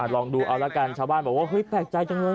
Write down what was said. ลองดูเอาละกันชาวบ้านบอกว่าเฮ้ยแปลกใจจังเลย